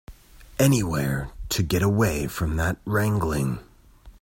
Anywhere to get away from that wrangling.